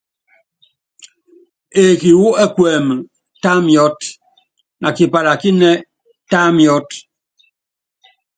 Eeki wu ɛkuɛmɛ, tá miɔ́t, na kipalakínɛ́, tá miɔ́t.